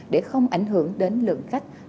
để không ảnh hưởng đến lượng khách